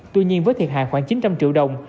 tuy nhiên với thiệt hại khoảng chín trăm linh triệu đồng